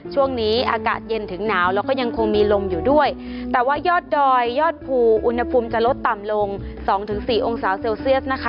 ช่วงนี้อากาศเย็นถึงหนาวแล้วก็ยังคงมีลมอยู่ด้วยแต่ว่ายอดดอยยอดภูอุณหภูมิจะลดต่ำลงสองถึงสี่องศาเซลเซียสนะคะ